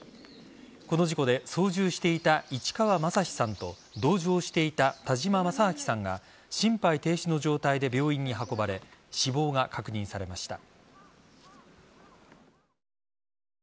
この事故で操縦していた市川正史さんと同乗していた田嶋正明さんが心肺停止の状態で病院に運ばれ死亡が確認されました。